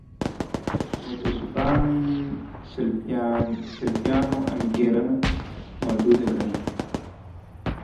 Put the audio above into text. متصوفان سلفیانو انګېرنه مردوده ګڼي.